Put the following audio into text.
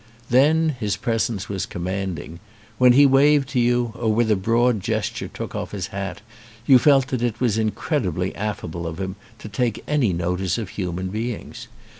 Then his presence was commanding. When he waved to you or with a broad gesture took off his hat, you felt that it was incredibly affable of him to take any notice of human beings.